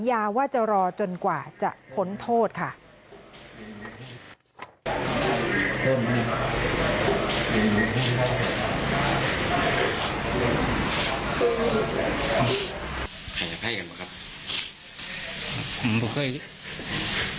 ไม่รู้จริงว่าเกิดอะไรขึ้น